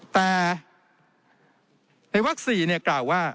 แต่ในวัก๔กล่าวว่า